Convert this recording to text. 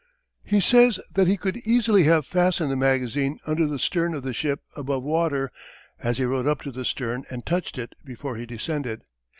He says that he could easily have fastened the magazine under the stem of the ship above water, as he rowed up to the stern and touched it before he descended.